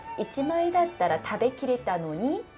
「１枚だったら食べきれたのに」。